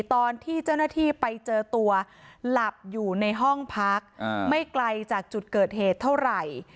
ตอนที่เจ้าหน้าที่ไปเจอตัวหลับอยู่ในห้องพักไม่ไกลจากจุดเกิดเหตุเท่าไหร่